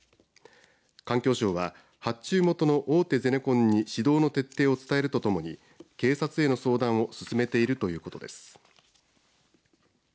環境省は発注元の大手ゼネコンに指導の徹底を伝えるとともに警察への相談を進めているということです。